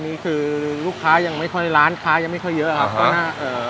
นี่คือลูกค้ายังไม่ค่อยร้านค้ายังไม่ค่อยเยอะครับตอนนั้นเอ่อ